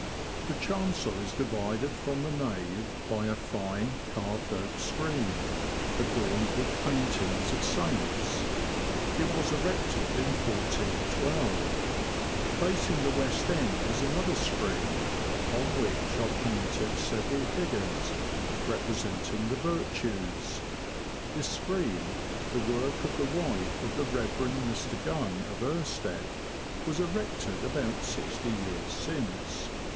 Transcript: The chancel is divided from the nave by a fine, carved oak screen, adorned with paintings of saints ; it was erected in 141 2. Facing the west end is another screen, upon which are painted several figures, repre senting the Virtues. This screen, the work of the wife of the Rev. Mr. Gunn, of Irstead, was erected about sixty years since.